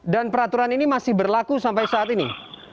dan peraturan ini masih berlaku sampai saat ini